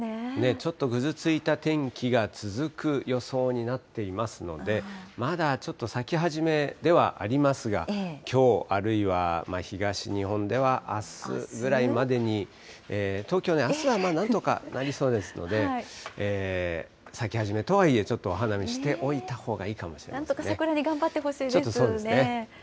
ちょっとぐずついた天気が続く予想になっていますので、まだちょっと咲きはじめではありませんが、きょう、あるいは東日本ではあすぐらいまでに、東京はあすはなんとかなりそうですので、咲き始めとはいえ、ちょっとお花見しておいたほうがいいかもしれまなんとか桜に頑張ってほしいちょっとそうですね。